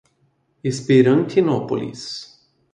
Esperantinópolis